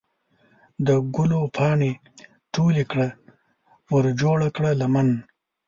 د ګلو پاڼې ټولې کړه ورجوړه کړه لمن